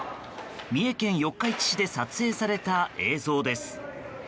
三重県四日市市で撮影された映像です。